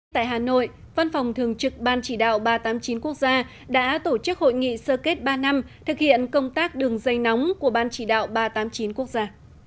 tại hà nội văn phòng thường trực ban chỉ đạo ba trăm tám mươi chín quốc gia đã tổ chức hội nghị sơ kết ba năm thực hiện công tác đường dây nóng của ban chỉ đạo ba trăm tám mươi chín quốc gia